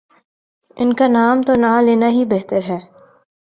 ان کا نام تو نہ لینا ہی بہتر ہے۔